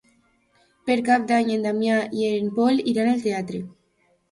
Per Cap d'Any en Damià i en Pol iran al teatre.